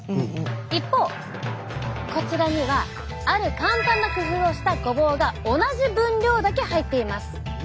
一方こちらにはある簡単な工夫をしたごぼうが同じ分量だけ入っています。